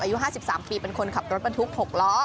อายุที่๒๓อายุ๕๓ปีเป็นคนขับรถบันทุกขบหล่อ